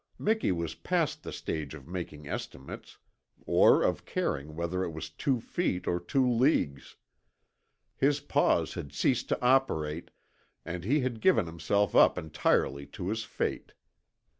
Miki was past the stage of making estimates, or of caring whether it was two feet or two leagues. His paws had ceased to operate and he had given himself up entirely to his fate.